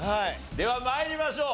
では参りましょう。